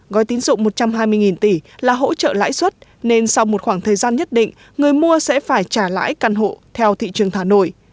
gói tín dụng một trăm hai mươi tỷ là hỗ trợ lãi suất nên sau một khoảng thời gian nhất định người mua sẽ phải trả lãi căn hộ theo thị trường thà nội